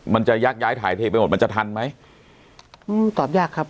มันจะยักย้ายถ่ายเทไปหมดมันจะทันไหมอืมตอบยากครับ